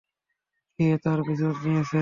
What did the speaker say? কে তার পিছু নিয়েছে?